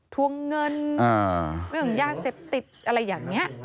ทวงเงินเรื่องยาเสพติดอะไรอย่างนี้